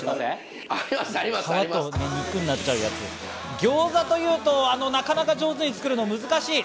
ギョーザというと、なかなか上手に作るのは難しい。